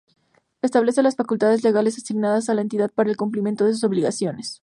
Establece las facultades legales asignadas a la entidad para el cumplimiento de sus obligaciones.